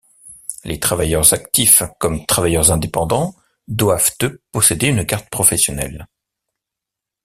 Les travailleurs actifs comme travailleurs indépendants doivent eux posséder une carte professionnelle.